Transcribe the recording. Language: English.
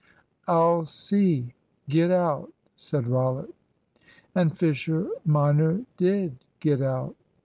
"I'll see get out," said Rollitt. And Fisher minor did get out.